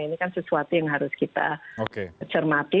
ini kan sesuatu yang harus kita cermati